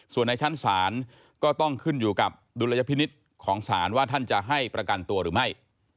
ส่วนในชั้นศาลก็ต้องขึ้นอยู่กับดุลยพินิษฐ์ของศาลว่าท่านจะให้ประกันตัวหรือไม่